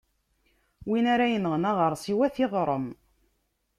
Win ara yenɣen aɣeṛsiw, ad t-iɣrem.